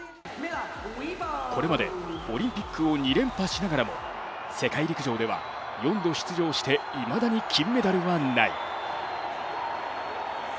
これまでオリンピックを２連覇しながらも世界陸上では４度出場していまだに金メダルはない。